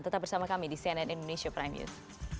tetap bersama kami di cnn indonesia prime news